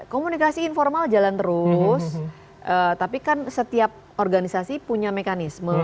komunikasi informal jalan terus tapi kan setiap organisasi punya mekanisme